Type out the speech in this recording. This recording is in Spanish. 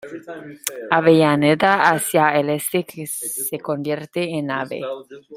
Avellaneda hacia el este se convierte en Av.